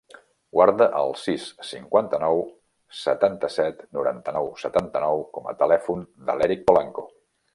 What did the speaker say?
Guarda el sis, cinquanta-nou, setanta-set, noranta-nou, setanta-nou com a telèfon de l'Èric Polanco.